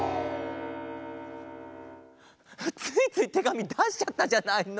ついついてがみだしちゃったじゃないの。